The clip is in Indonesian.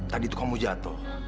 tadi itu kamu jatuh